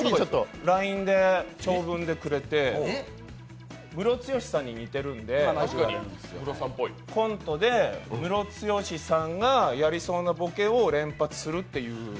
ＬＩＮＥで長文でくれて、ムロツヨシさんに似てるのでコントでムロツヨシさんがやりそうなボケを連発するっていう。